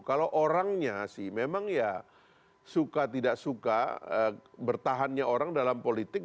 kalau orangnya sih memang ya suka tidak suka bertahannya orang dalam politik